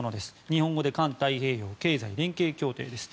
日本語で環太平洋経済連携協定です。